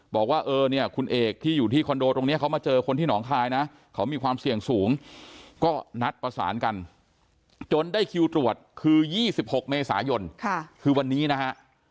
บอกว่าเออเนี่ยคุณเอกที่อยู่ที่คอนโดตรงนี้เขามาเจอคนที่หนองคายนะเขามีความเสี่ยงสูงก็นัดประสานกันจนได้คิวตรวจคือ๒๖เมษายนคือวันนี้นะฮะ